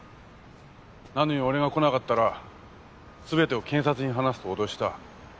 なのに俺が来なかったら全てを検察に話すと脅した。